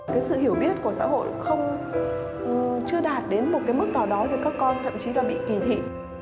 cái sự hiểu biết của xã hội không chưa đạt đến một cái mức nào đó thì các con thậm chí là bị kỳ thị